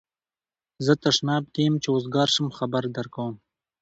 زه تشناب کی یم چی اوزګار شم خبر درکوم